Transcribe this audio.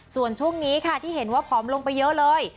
ส่วนช่วงนี้ค่ะที่เห็นว่าผอมลงไปเยอะเลย